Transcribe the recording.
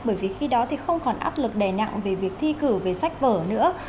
bởi vì khi đó thì không còn áp lực đè nặng về việc thi cử về sách vở nữa